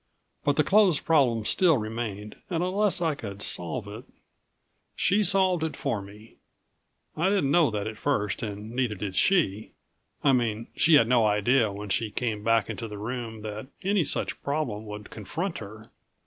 But the clothes problem still remained, and unless I could solve it She solved it for me. I didn't know that at first and neither did she I mean, she had no idea when she came back into the room that any such problem would confront her.